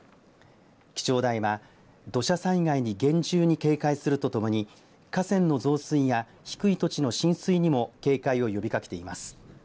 気象台は土砂災害に厳重に警戒するとともに河川の増水や低い土地の浸水にも警戒を呼びかけています。